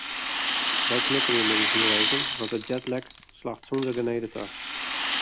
Wy knipperje middeis hiel even want de jetlag slacht sonder genede ta.